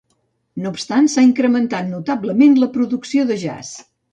No obstant, s'ha incrementat notablement la producció de jazz.